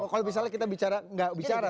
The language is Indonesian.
kalau misalnya kita bicara nggak bicara